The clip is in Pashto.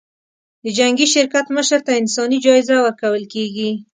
د جنګي شرکت مشر ته انساني جایزه ورکول کېږي.